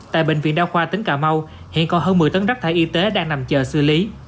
tại bệnh viện đa khoa tỉnh cà mau hiện còn hơn một mươi tấn rác thải y tế đang nằm chờ xử lý